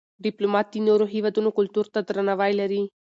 ډيپلومات د نورو هېوادونو کلتور ته درناوی لري.